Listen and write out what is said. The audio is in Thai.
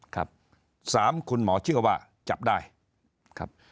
ครับ๓คุณหมอเชื่อว่าจับได้ครับ